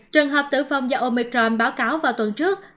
trường hợp tử vong do omicrom báo cáo vào tuần trước